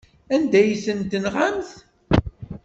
Anda ay ten-tenɣamt?